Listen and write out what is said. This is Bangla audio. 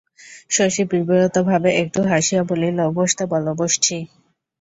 শশী বিব্রতভাবে একটু হাসিয়া বলিল, বসতে বলো, বসছি।